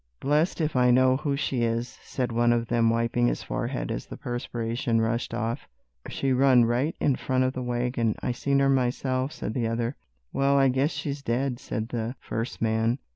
"Blest if I know who she is!" said one of them, wiping his forehead as the perspiration rushed off. "She run right in front of the wagon, I seen her myself," said the other. "Well, I guess she's dead," said the first man.